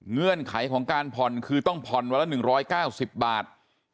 เงื่อนไขของการผ่อนคือต้องผ่อนวันละ๑๙๐บาท